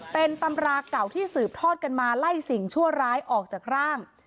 เป็นตำราเก่าที่สืบทอดกันมาไล่สิ่งชั่วร้ายออกจากร่าง